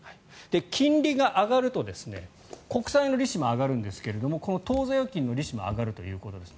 金利が上がると国債の利子も上がるんですけど当座預金の利子も上がるということです。